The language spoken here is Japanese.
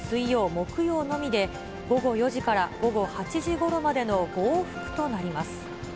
木曜のみで、午後４時から午後８時ごろまでの５往復となります。